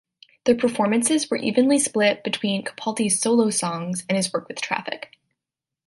The performances were evenly split between Capaldi's solo songs and his work with Traffic.